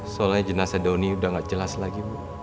soalnya jenazah doni udah gak jelas lagi bu